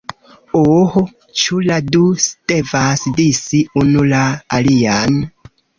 Uh... ĉu la du devas kisi unu la alian?